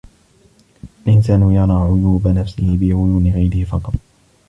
الإنسان يرى عيوب نفسه بعيون غيره فقط.